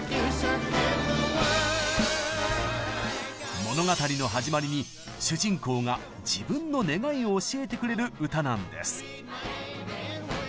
物語の始まりに主人公が自分の願いを教えてくれる「歌」なんです。